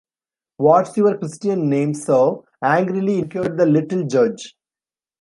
‘What’s your Christian name, Sir?’ angrily inquired the little judge.